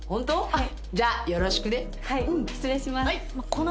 はい。